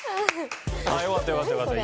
よかったよかったよかった。